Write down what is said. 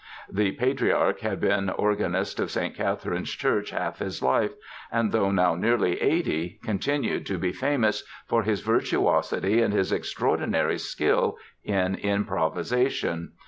The patriarch had been organist of St. Katherine's Church half his life and though now nearly eighty continued to be famous for his virtuosity and his extraordinary skill in improvisation.